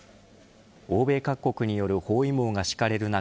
欧米各国による包囲網が敷かれる中